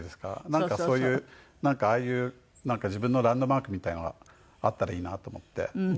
なんかそういうああいう自分のランドマークみたいなのがあったらいいなと思って。